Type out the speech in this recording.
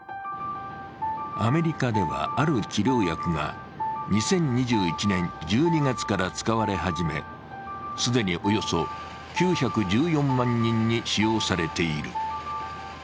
アメリカでは、ある治療薬が２０２１年１２月から使われ始め、既におよそ９１４万人に使用されている。